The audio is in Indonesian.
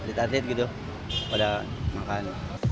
atlet atlet gitu pada makan